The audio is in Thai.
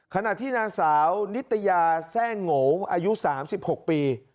ขณะที่นางสาวนิตยาแทร่งโงอายุ๓๖ปี